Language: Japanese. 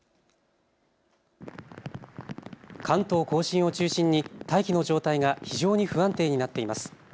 関東甲信を中心に大気の状態が非常に不安定になっています。